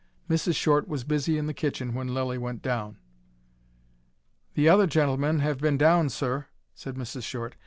Mrs. Short was busy in the kitchen when Lilly went down. "The other gentleman have been down, Sir," said Mrs. Short.